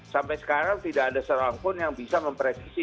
sampai sekarang tidak ada seorang pun yang bisa mempresi